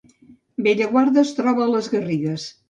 Bellaguarda es troba a les Garrigues